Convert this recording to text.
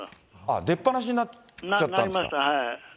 出っぱなしになっちゃったんですか。